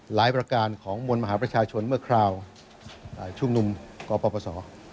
ประการของมวลมหาประชาชนเมื่อคราวชุมนุมกปศ